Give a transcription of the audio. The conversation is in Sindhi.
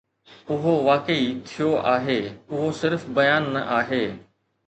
اهو واقعي ٿيو آهي، اهو صرف بيان نه آهي.